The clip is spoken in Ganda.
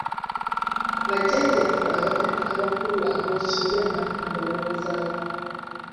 Bajjajjaffe Abataka abakulu Aboobusolya ani abalowoozaako?